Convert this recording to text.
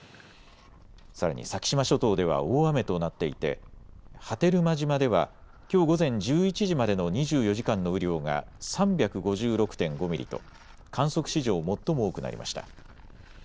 さらに先島諸島では大雨となっていて波照間島ではきょう午前１１時までの２４時間の雨量が３５６．５ミリと観測史上最も多くなりました。